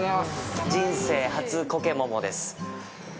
人生初コケモモです。